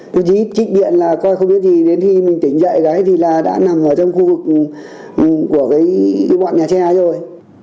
chỉ trích điện là coi không biết gì đến khi mình tỉnh dậy cái thì là đã nằm ở trong khu vực của cái bọn nhà che rồi